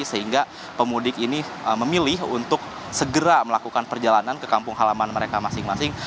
sehingga pemudik ini memilih untuk segera melakukan perjalanan ke kampung halaman mereka masing masing